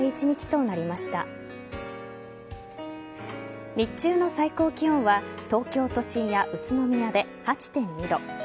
日中の最高気温は東京都心や宇都宮で８．２度。